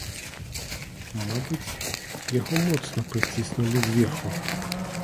Мабыць, яго моцна прыціснулі зверху.